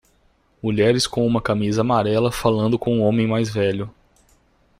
Mulheres com uma camisa amarela falando com um homem mais velho.